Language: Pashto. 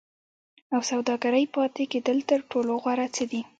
او سوداګرۍ پاتې کېدل تر ټولو غوره څه دي.